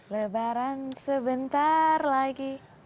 lebaran sebentar lagi